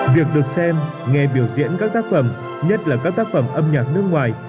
việc được xem nghe biểu diễn các tác phẩm nhất là các tác phẩm âm nhạc nước ngoài